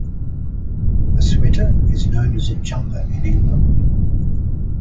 A sweater is known as a jumper in England.